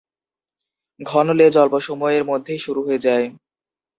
ঘন লেজ অল্প সময়ের মধ্যেই সরু হয়ে যায়।